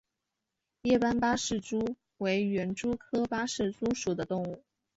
叶斑八氏蛛为园蛛科八氏蛛属的动物。